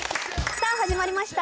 さあ始まりました